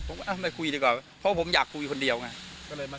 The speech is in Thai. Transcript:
ผมก็เอาไปคุยดีกว่าเพราะผมอยากคุยคนเดียวไง